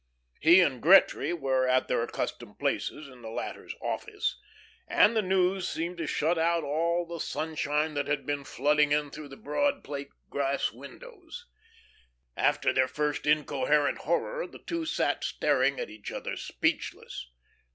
He and Gretry were at their accustomed places in the latter's office, and the news seemed to shut out all the sunshine that had been flooding in through the broad plate glass windows. After their first incoherent horror, the two sat staring at each other, speechless.